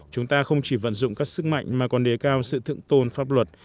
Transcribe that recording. chúng ta không chỉ vận dụng các sức mạnh mà còn đề cao sự thượng tôn pháp luật